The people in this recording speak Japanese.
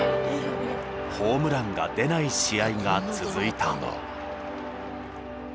ホームランが出ない試合が続いた。